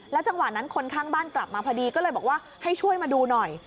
จังหวะนั้นคนข้างบ้านกลับมาพอดีก็เลยบอกว่าให้ช่วยมาดูหน่อย